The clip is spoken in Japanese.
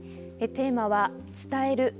テーマは「伝える。